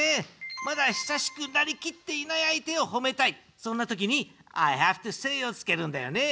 まだ親しくなりきっていない相手を褒めたい、そんな時にＩｈａｖｅｔｏｓａｙをつけるんだよね。